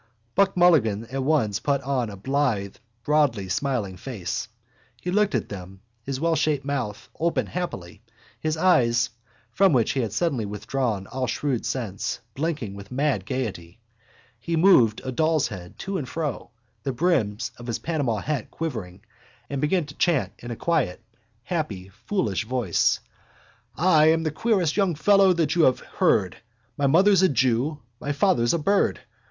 Buck Mulligan at once put on a blithe broadly smiling face. He looked at them, his wellshaped mouth open happily, his eyes, from which he had suddenly withdrawn all shrewd sense, blinking with mad gaiety. He moved a doll's head to and fro, the brims of his Panama hat quivering, and began to chant in a quiet happy foolish voice: _—I'm the queerest young fellow that ever you heard. My mother's a jew, my father's a bird.